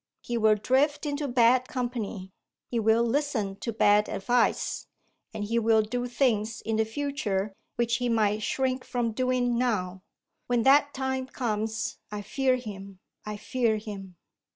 He will drift into bad company; he will listen to bad advice; and he will do things in the future which he might shrink from doing now. When that time comes, I fear him! I fear him!"